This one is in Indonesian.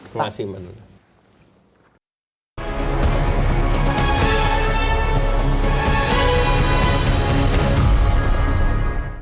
terima kasih mbak duto